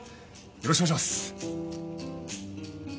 よろしくお願いします！